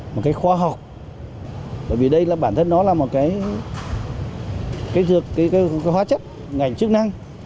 một cái khoa học bởi vì đây là bản thân nó là một cái hóa chất ngành chức năng